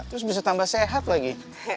terus bisa tambah sehat lagi